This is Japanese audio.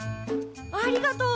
ありがとう！